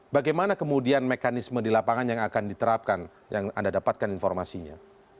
bagaimana kemudian mekanisme di lapangan yang akan diterapkan yang anda dapatkan informasinya